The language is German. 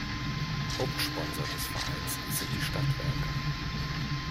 Hauptsponsor des Vereins sind die Stadtwerke.